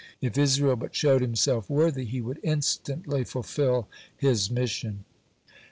If Israel but showed himself worthy, he would instantly fufil his mission.